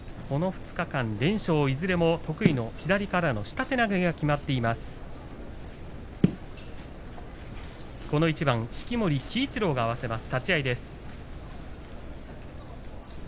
この２日間、いずれも２連勝得意の左からの下手投げがきまっています。